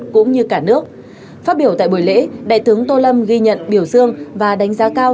cũng như cả nước phát biểu tại buổi lễ đại tướng tô lâm ghi nhận biểu dương và đánh giá cao